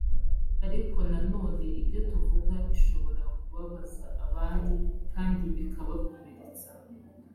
ariko nanone ibyo tuvuga bishobora kubabaza abandi kandi bikabakomeretsa